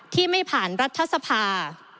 ที่ไม่ผ่านรัฐสภา